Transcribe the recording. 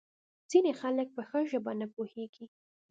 ځینې خلک په ښه ژبه نه پوهیږي.